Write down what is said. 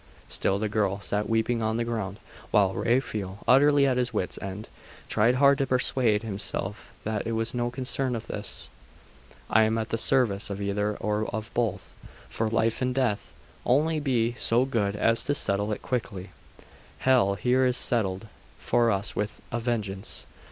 Still the girl sat weeping on the ground; while Raphael, utterly at his wits end, tried hard to persuade himself that it was no concern of his. 'I am at the service of either or of both, for life or death; only be so good as to settle it quickly.... Hell! here it is settled for us, with a vengeance!